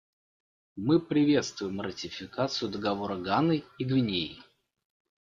Мы приветствуем ратификацию Договора Ганой и Гвинеей.